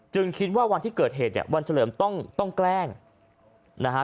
คิดว่าวันที่เกิดเหตุเนี่ยวันเฉลิมต้องต้องแกล้งนะฮะ